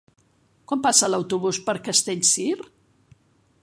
Quan passa l'autobús per Castellcir?